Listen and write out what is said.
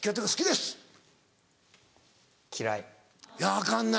アカンな。